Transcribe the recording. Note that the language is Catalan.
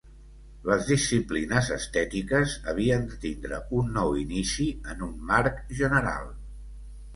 Les disciplines estètiques havien de tindre un nou inici en un marc general.